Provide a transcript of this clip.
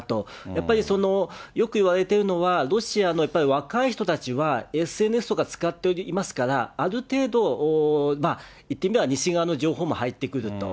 やっぱりよくいわれているのは、ロシアのやっぱり若い人たちは、ＳＮＳとか使っていますから、ある程度、言ってみれば西側の情報も入ってくると。